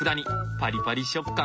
パリパリ食感！